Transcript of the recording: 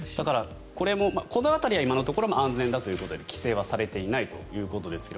この辺りは今のところ安全だということで規制はされていないということですが。